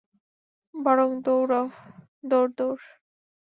বরং দৌড়াও, দৌড়, দৌড়!